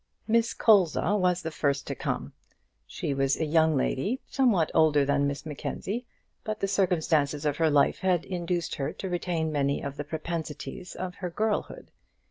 Miss Colza was the first to come. She was a young lady somewhat older than Miss Mackenzie; but the circumstances of her life had induced her to retain many of the propensities of her girlhood.